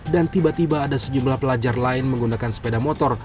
dan tiba tiba ada sejumlah pelajar lain menggunakan sepeda motor